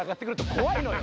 怖いのよ